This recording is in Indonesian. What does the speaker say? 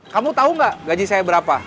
kamu tahu nggak gaji saya berapa